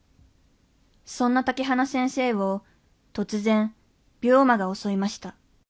そんな竹花先生を突然病魔が襲いました。